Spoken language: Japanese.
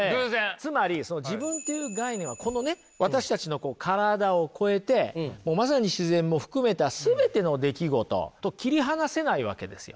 つまり自分という概念はこのね私たちの体を超えてもうまさに自然も含めた全ての出来事と切り離せないわけですよ。